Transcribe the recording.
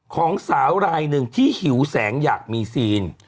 ของสาวรายหนึ่งที่หิวแสงอยากมีซีน